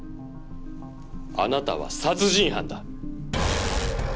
あなたは殺人犯だ！